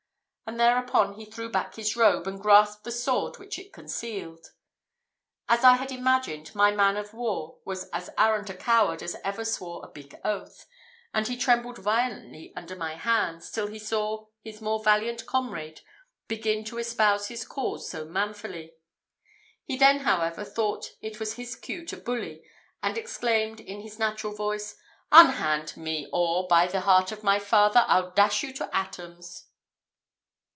And thereupon he threw back his robe, and grasped the sword which it concealed. As I had imagined, my man of war was as arrant a coward as ever swore a big oath, and he trembled violently under my hands, till he saw his more valiant comrade begin to espouse his cause so manfully. He then, however, thought it was his cue to bully, and exclaimed, in his natural voice, "Unhand me, or, by the heart of my father, I'll dash you to atoms!"